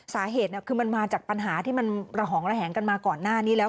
สาเหตุคือมันมาจากปัญหาที่มันระหองระแหงกันมาก่อนหน้านี้แล้ว